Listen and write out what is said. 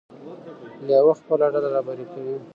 لیوه خپله ډله رهبري کوي.